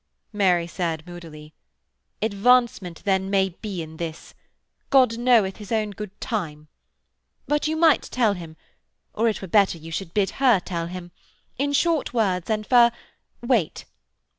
Mary said moodily: 'Advancement, then, may be in this. God knoweth his own good time. But you might tell him; or it were better you should bid her tell him.... In short words, and fur ... wait.'